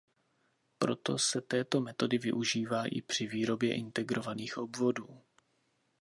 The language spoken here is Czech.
Proto se této metody využívá i při výrobě integrovaných obvodů.